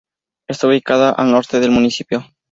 Está ubicada al norte del municipio.